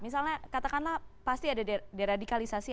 misalnya katakanlah pasti ada deradikalisasi